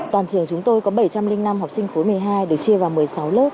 toàn trường chúng tôi có bảy trăm linh năm học sinh khối một mươi hai được chia vào một mươi sáu lớp